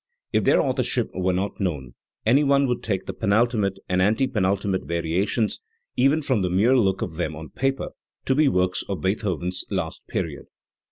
If their authorship were not known, any one would take the penultimate and anti penultimate variations, even from the mere look of them on paper, to be works of Beethoven's last period.